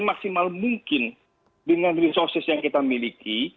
maksimal mungkin dengan resources yang kita miliki